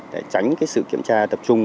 để tránh sự kiểm tra tập trung